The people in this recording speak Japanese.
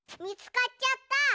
みつかっちゃった。